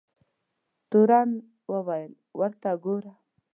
تورن وویل ورته وګوره.